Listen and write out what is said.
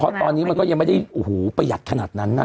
เพราะตอนนี้มันก็ยังไม่ได้ประหยัดขนาดนั้นนะ